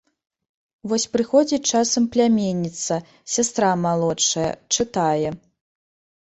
Вось прыходзіць часам пляменніца, сястра малодшая, чытае.